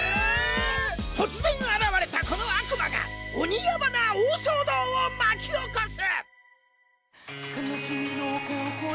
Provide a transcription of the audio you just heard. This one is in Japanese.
突然現れたこの悪魔が鬼ヤバな大騒動を巻き起こす！